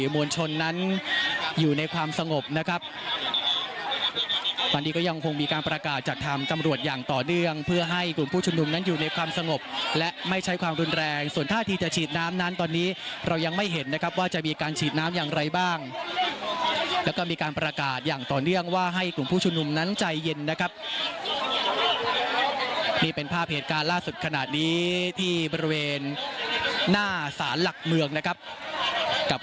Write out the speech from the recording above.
มวลชนนั้นอยู่ในความสงบนะครับวันนี้ก็ยังคงมีการประกาศจากทางจำรวจอย่างต่อเนื่องเพื่อให้กลุ่มผู้ชมนุมนั้นอยู่ในความสงบและไม่ใช้ความดุลแรงส่วนท่าที่จะฉีดน้ำนั้นตอนนี้เรายังไม่เห็นนะครับว่าจะมีการฉีดน้ำอย่างไรบ้างแล้วก็มีการประกาศอย่างต่อเนื่องว่าให้กลุ่มผู้ชมนุมนั้นใจเย็นนะครับ